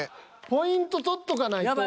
ポイント獲っとかないと。